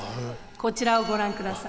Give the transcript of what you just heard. こちらをご覧ください。